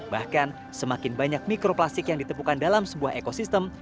bahkan semakin banyak mikroplastik yang ditemukan dalam sebuah ekosistem